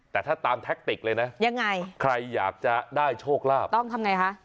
แต่ถ้าตามแท็กติกเลยนะยังไงใครอยากจะได้โชคลาภต้องทำไงคะ